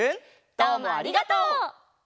どうもありがとう！